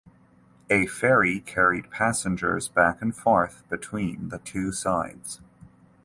A ferry carried passengers back and forth between the two sides.